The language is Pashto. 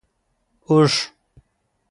🐪 اوښ